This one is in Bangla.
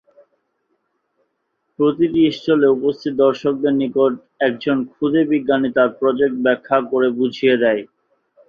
প্রতিটি স্টলে উপস্থিত দর্শকদের নিকট একজন ক্ষুদে বিজ্ঞানী তার প্রজেক্ট ব্যাখ্যা করে বুঝিয়ে দেয়।